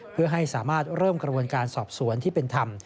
เพื่อให้สามารถเริ่มกระบวนการสอบสวนที่เป็นธรรม